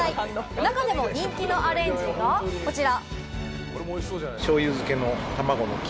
中でも人気のアレンジがこちら。